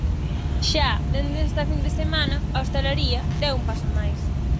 Xa, dende esta fin de semana, a hostalería deu un paso máis.